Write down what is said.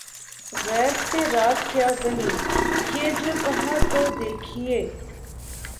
’’ غیر سے رات کیا بنی ‘‘ یہ جو کہا‘ تو دیکھیے